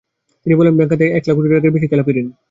তিনি বলেন, ব্যাংক খাতে এক লাখ কোটি টাকার বেশি খেলাপি ঋণ।